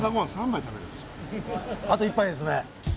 あと１杯ですね。